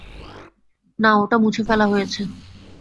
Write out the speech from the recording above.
না, ওটা মুছে ফেলা হয়েছে!